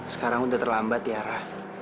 sekarang udah terlambat tiara